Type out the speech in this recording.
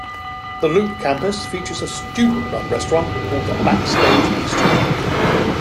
The Loop campus features a student-run restaurant called "The Backstage Bistro".